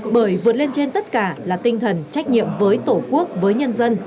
bởi vượt lên trên tất cả là tinh thần trách nhiệm với tổ quốc với nhân dân